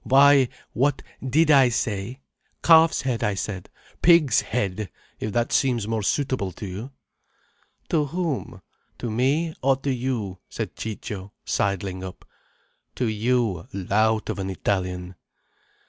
_ Why what did I say? Calf's head I said. Pig's head, if that seems more suitable to you." "To whom? To me or to you?" said Ciccio, sidling up. "To you, lout of an Italian."